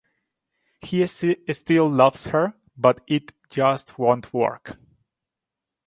He still loves her but it just won't work.